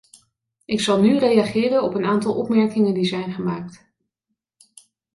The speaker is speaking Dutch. Ik zal nu reageren op een aantal opmerkingen die zijn gemaakt.